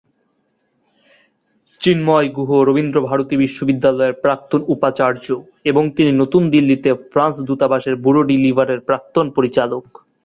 চিন্ময় গুহ রবীন্দ্র ভারতী বিশ্ববিদ্যালয়ের প্রাক্তন উপাচার্য এবং তিনি নতুন দিল্লিতে ফ্রান্স দূতাবাসের ব্যুরো ডু লিভারের প্রাক্তন পরিচালক।